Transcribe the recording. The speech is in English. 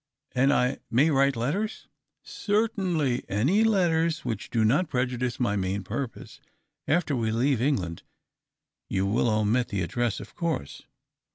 " And I may w^rite letters ?"" Certainly — any letters which do not prejudice my main purpose. After we leave England you will omit the address, of course."